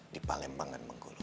di palembang dan jawa tenggara